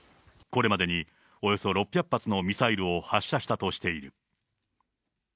これまでにおよそ６００発のミサイルを発射したとしている。